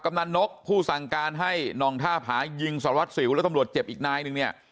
กำลังนกผู้สั่งการให้นองท่าผายิงสารวัสสิวและตำรวจเจ็บอีกนายนึงเนี่ย